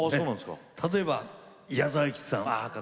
例えば、矢沢永吉さん。